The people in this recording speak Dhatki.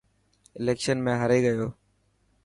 اليڪشن ۾ هاري گيو.